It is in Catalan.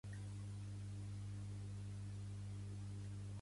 Haver prestat o pèrdua o enemistat.